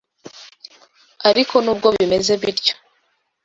Ariko nubwo bimeze bityo,